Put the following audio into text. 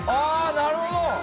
なるほど。